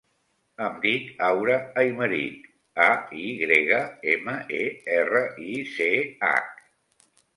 Em dic Aura Aymerich: a, i grega, ema, e, erra, i, ce, hac.